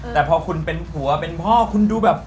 แต่พอคุณเป็นผัวเป็นพ่อคุณดูแบบ